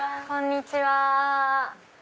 こんにちは。